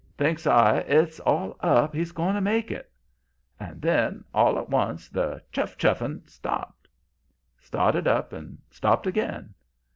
Thinks I: 'It's all up. He's going to make it.' "And then, all at once, the 'chuff chuff ing' stopped. Started up and stopped again.